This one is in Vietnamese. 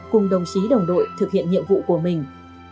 cùng đồng chí đồng đội thực hiện nhiệm vụ của mình